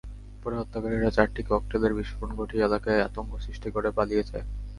পরে হত্যাকারীরা চারটি ককটেলের বিস্ফোরণ ঘটিয়ে এলাকায় আতঙ্ক সৃষ্টি করে পালিয়ে যায়।